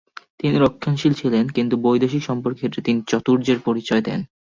তিনি রক্ষণশীল ছিলেন, কিন্তু বৈদেশিক সম্পর্কের ক্ষেত্রে তিনি চাতুর্যের পরিচয় দেন।